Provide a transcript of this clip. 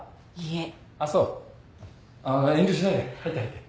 あっ遠慮しないで入って入って。